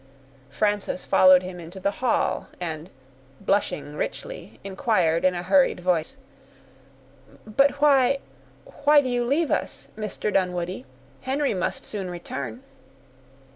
Frances followed him into the hall, and blushing richly, inquired, in a hurried voice,— "But why—why do you leave us, Mr. Dunwoodie? Henry must soon return."